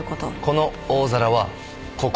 この大皿はここ。